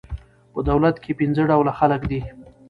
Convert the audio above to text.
په دولت کښي پنځه ډوله خلک دي.